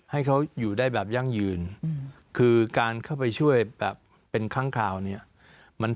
ให้เขาอยู่ได้แบบยั่งยืน